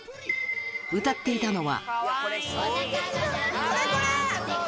歌っていたのは。